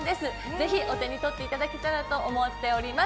ぜひお手に取っていただけたらと思っております。